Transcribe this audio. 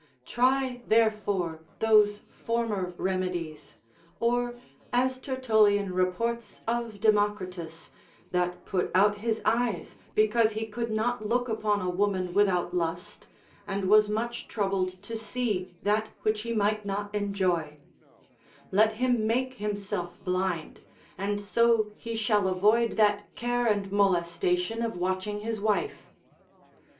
Try therefore those former remedies; or as Tertullian reports of Democritus, that put out his eyes, because he could not look upon a woman without lust, and was much troubled to see that which he might not enjoy; let him make himself blind, and so he shall avoid that care and molestation of watching his wife.